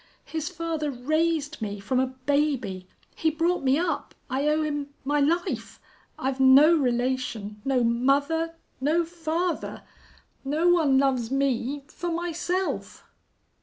His father raised me from a baby. He brought me up. I owe him my life.... I've no relation no mother no father! No one loves me for myself!"